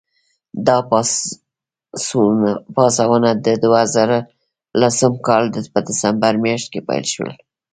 دا پاڅونونه د دوه زره لسم کال په ډسمبر میاشت کې پیل شول.